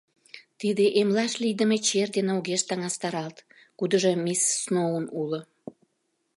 Тиде эмлаш лийдыме чер дене огеш таҥастаралт, кудыжо мисс Сноун уло.